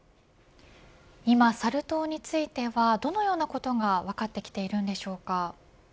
今、サル痘についてはどのようなことが分かってきているのでしょうか。